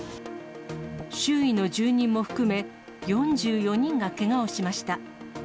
周囲の住人も含め、４４人がけがをしました。